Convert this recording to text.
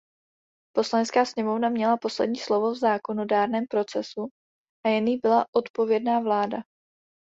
Poslanecká sněmovna měla poslední slovo v zákonodárném procesu a jen jí byla odpovědná vláda.